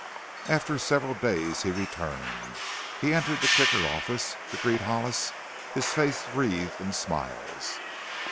After several days he returned. He entered the Kicker office to greet Hollis, his face wreathed in smiles.